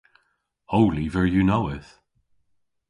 Ow lyver yw nowydh.